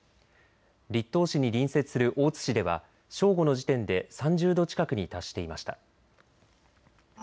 栗東市に隣接する大津市では正午の時点で３０度近くに達していました。